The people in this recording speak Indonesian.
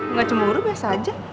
nggak cemburu biasa aja